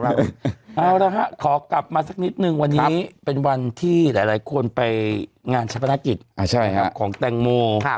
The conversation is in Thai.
เอาละฮะขอกลับมาสักนิดนึงวันนี้เป็นวันที่หลายคนไปงานชะพนักกิจของแตงโม